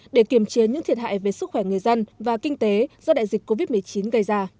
để kiềm chế những thiệt hại về sức khỏe người dân và kinh tế do đại dịch covid một mươi chín gây ra